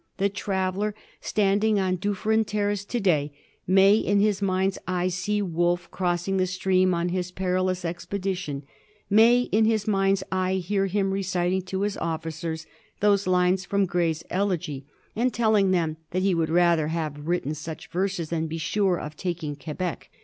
The traveller, standing on Duf ferin Terrace to day, may in his mind's eye see Wolfe crossing the stream on his perilous expedition, may in his mind's ear hear him reciting to his officers those lines from Gray's Elegy, and telling them that he would rather have written such verses than be sure of taking Quebec.